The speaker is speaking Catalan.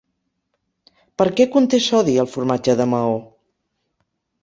Per què conté sodi el formatge de Maó?